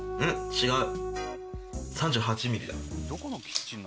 違う。